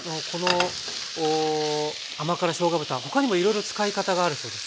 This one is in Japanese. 甘辛しょうが豚他にもいろいろ使い方があるそうですね。